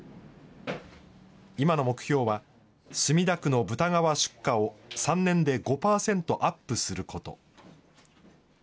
今の目標は、墨田区の豚革出荷を３年で５％アップすること。